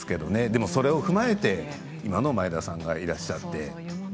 でも、それを踏まえて今の前田さんがいらっしゃって。